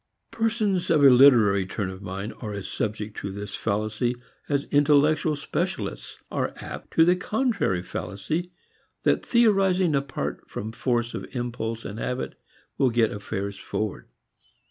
Persons of a literary turn of mind are as subject to this fallacy as intellectual specialists are apt to the contrary fallacy that theorizing apart from force of impulse and habit will get affairs forward.